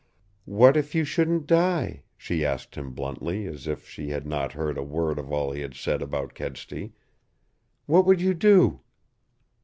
"What if you shouldn't die?" she asked him bluntly, as if she had not heard a word of all he had said about Kedsty. "What would you do?"